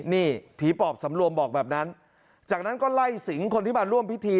นี่ผีปอบสำรวมบอกแบบนั้นจากนั้นก็ไล่สิงคนที่มาร่วมพิธี